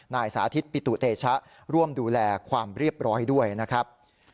สาธิตปิตุเตชะร่วมดูแลความเรียบร้อยด้วยนะครับ